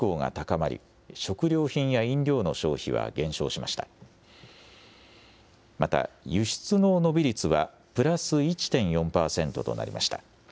また、輸出の伸び率はプラス１．４％となりました。